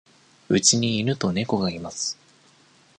うちに犬と猫がいます。